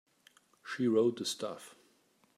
She wrote the stuff.